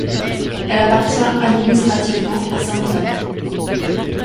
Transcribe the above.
Elle appartient administrativement à Sainte-Anne.